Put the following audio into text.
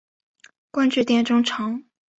官至殿中丞。